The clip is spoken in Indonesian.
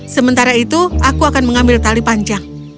sementara itu aku akan mengambil tali panjang